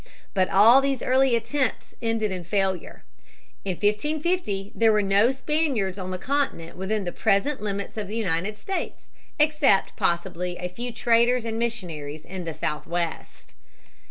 But all these early attempts ended in failure. In 1550 there were no Spaniards on the continent within the present limits of the United States, except possibly a few traders and missionaries in the Southwest.